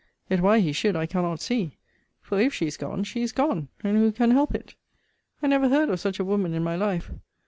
Yet why he should, I cannot see: for if she is gone, she is gone; and who can help it? I never heard of such a woman in my life.